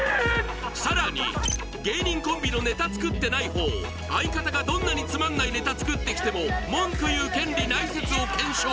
さらに芸人コンビのネタ作ってない方相方がどんなにつまんないネタ作ってきても文句言う権利ない説を検証